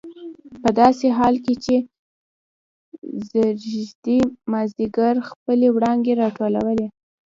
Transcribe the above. په داسې حال کې چې ځېږدي مازدیګر خپلې وړانګې راټولولې.